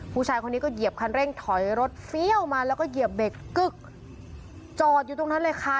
ผู้ชายคนนี้ก็เหยียบคันเร่งถอยรถเฟี้ยวมาแล้วก็เหยียบเบรกกึ๊กจอดอยู่ตรงนั้นเลยค่ะ